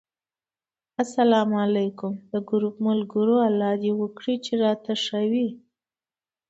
اسلام علیکم! د ګروپ ملګرو! الله دې وکړي چې راته ښه وی